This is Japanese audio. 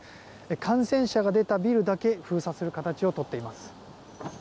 感染者が出たビルだけ封鎖する形をとっています。